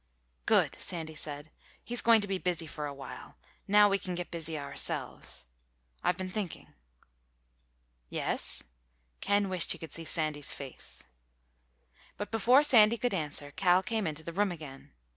"Good," Sandy said. "He's going to be busy for a while. Now we can get busy ourselves. I've been thinking." "Yes?" Ken wished he could see Sandy's face. But before Sandy could answer, Cal came into the room again.